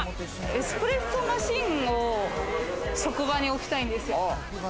エスプレッソマシンを職場に置きたいんですよ。